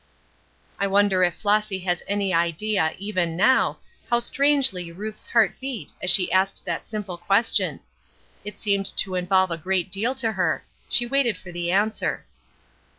I wonder if Flossy has any idea, even now, how strangely Ruth's heart beat as she asked that simple question. It seemed to involve a great deal to her. She waited for the answer.